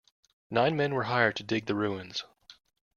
Nine men were hired to dig the ruins.